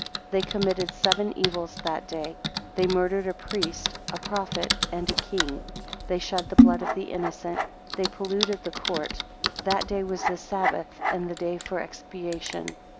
They committed seven evils that day: they murdered a priest, a prophet, and a king; they shed the blood of the innocent; they polluted the court: that day was the Sabbath: and the day of expiation.